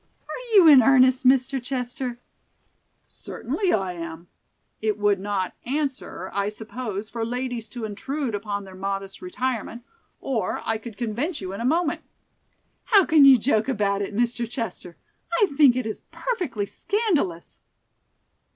"Are you in earnest, Mr. Chester?" "Certainly I am. It would not answer, I suppose, for ladies to intrude upon their modest retirement, or I could convince you in a moment." "How can you joke about it, Mr. Chester? I think it is perfectly scandalous."